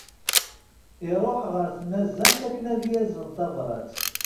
Iruḥ ɣer tnazzant akken ad yazen tabrat.